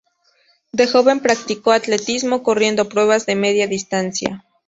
De joven practicó atletismo, corriendo pruebas de media distancia.